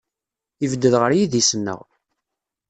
Yebded ɣer yidis-nneɣ.